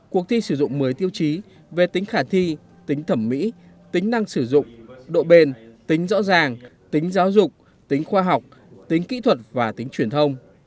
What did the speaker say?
cuộc thi sử dụng mới tiêu chí về tính khả thi tính thẩm mỹ tính năng sử dụng độ bền tính rõ ràng tính giáo dục tính khoa học tính kỹ thuật và tính truyền thông